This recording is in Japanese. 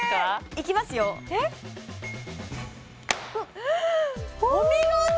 いきますよお見事！